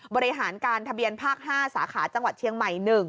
บริหารการทะเบียนภาค๕สาขาจังหวัดเชียงใหม่๑